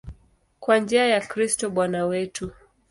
Kwa njia ya Kristo Bwana wetu.